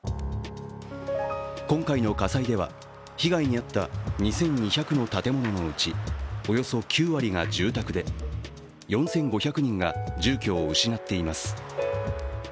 今回の火災では、被害に遭った２２００の建物のうちおよそ９割が住宅で、４５００人が住居を失っています。